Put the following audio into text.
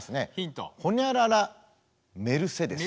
ほにゃららメルセデス。